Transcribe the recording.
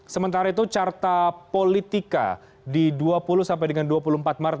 sementara itu carta politika di dua puluh sampai dengan dua puluh empat maret